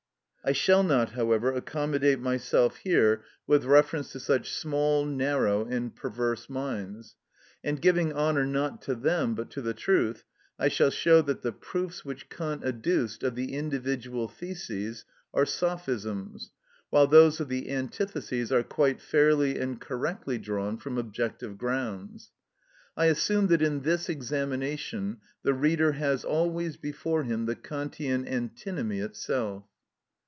I shall not, however, accommodate myself here with reference to such small, narrow, and perverse minds; and, giving honour not to them, but to the truth, I shall show that the proofs which Kant adduced of the individual theses are sophisms, while those of the antitheses are quite fairly and correctly drawn from objective grounds. I assume that in this examination the reader has always before him the Kantian antinomy itself.